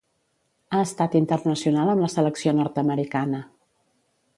Ha estat internacional amb la selecció nord-americana.